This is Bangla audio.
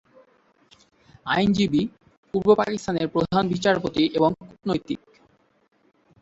আইনজীবী, পূর্ব পাকিস্তানের প্রধান বিচারপতি এবং কূটনৈতিক।